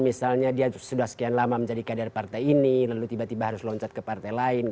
misalnya dia sudah sekian lama menjadi kader partai ini lalu tiba tiba harus loncat ke partai lain